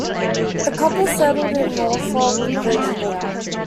The couple settled in Norfolk, Virginia.